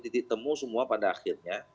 titik temu semua pada akhirnya